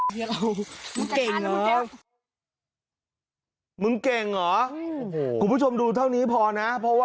ประเภทประเภทประเภท